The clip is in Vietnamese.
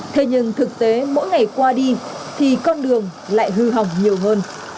thế nhưng thực tế mỗi ngày qua đi thì con đường lại hư hỏng nhiều hơn